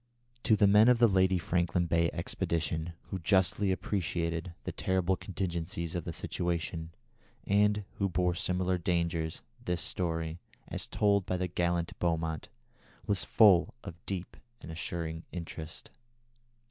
To the men of the Lady Franklin Bay Expedition, who justly appreciated the terrible contingencies of the situation, and who bore similar dangers, this story, as told by the gallant Beaumont, was full of deep and assuring interest."